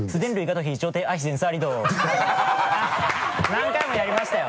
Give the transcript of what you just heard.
何回もやりましたよ。